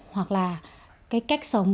hoặc là cái cách sống